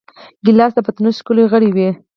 ګیلاس د پتنوس ښکلی غړی وي.